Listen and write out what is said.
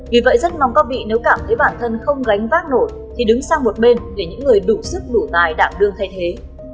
vì vậy rất mong các vị nếu cảm thấy bản thân không gánh vác nổi thì đứng sang một bên để những người đủ sức đủ tài đảm đương thay thế